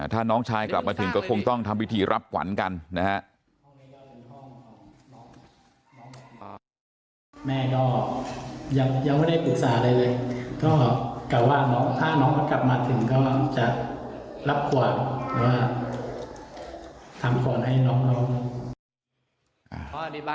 ถ้าน้องชายกลับมาถึงก็คงต้องทำพิธีรับขวัญกันนะฮะ